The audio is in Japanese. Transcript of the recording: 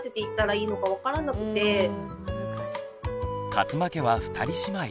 勝間家は二人姉妹。